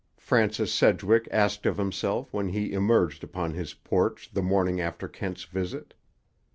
Francis Sedgwick asked of himself when he emerged upon his porch the morning after Kent's visit.